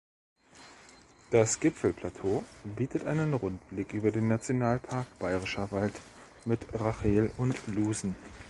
Das Gipfelplateau bietet einen Rundblick über den Nationalpark Bayerischer Wald mit Rachel und Lusen.